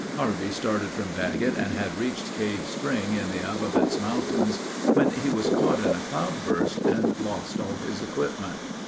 Harvey started from Daggett and had reached Cave Spring in the Avawatz Mountains when he was caught in a cloudburst and lost all his equipment.